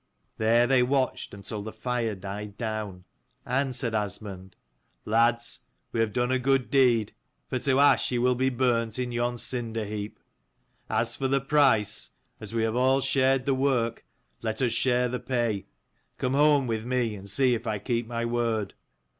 There they watched until the fire died down : and said Asmund, " Lads, we have done a good deed, for to ash he will be burnt in yon cinder heap. As for the price, as we have all shared the work, let us share the pay. Come home with me and see if I keep my word.